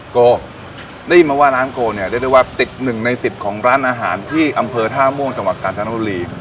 โกได้ยินมาว่าร้านโกเนี่ยเรียกได้ว่าติดหนึ่งในสิบของร้านอาหารที่อำเภอท่าม่วงจังหวัดกาญจนบุรี